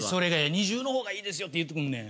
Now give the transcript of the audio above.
２重のほうがいいですよって言ってくんねん。